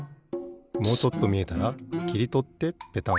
もうちょっとみえたらきりとってペタン。